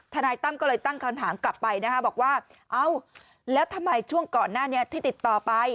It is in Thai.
นายตั้มก็เลยตั้งคำถามกลับไปนะคะบอกว่าเอ้าแล้วทำไมช่วงก่อนหน้านี้ที่ติดต่อไป